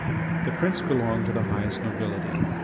The prince belonged to the highest nobility.